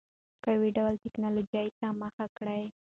کیو ډله ټکنالوجۍ ته مخه کړه.